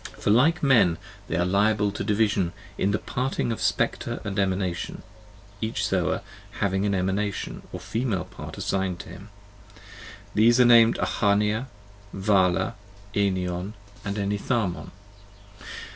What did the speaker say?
For like men they are liable to division in the parting of spectre and emanation, each Zoa having an Eman ation or female part assigned to him; these are named Ahania, Vala, Enion, and Enitharmon.